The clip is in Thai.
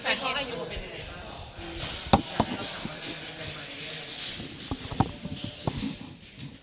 ก็เพราะอายุ